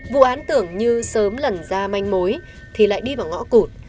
vụ án tưởng như sớm lần ra manh mối thì lại đi vào ngõ cụt